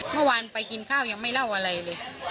เมื่อวานไปกินข้าวยังไม่เล่าอะไรเลย